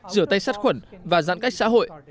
rửa tay sát khuẩn và giãn cách xã hội